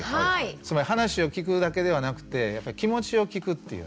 つまり話を聞くだけではなくてやっぱり気持ちを聴くっていうね。